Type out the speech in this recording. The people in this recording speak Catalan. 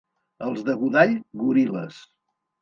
Els de Godall, goril·les.